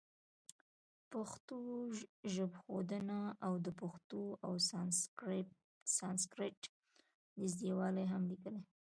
پښتو ژبښودنه او د پښتو او سانسکریټ نزدېوالی هم لیکلي.